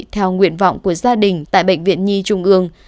theo nguyện vọng của gia đình tại bệnh viện nhi trung ương